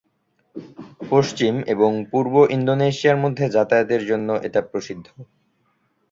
পশ্চিম এবং পূর্ব ইন্দোনেশিয়ার মধ্যে যাতায়াতের জন্য এটা প্রসিদ্ধ।